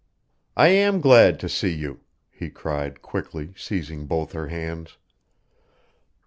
"I am glad to see you," he cried, quickly, seizing both her hands.